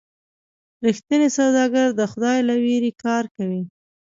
رښتینی سوداګر د خدای له ویرې کار کوي.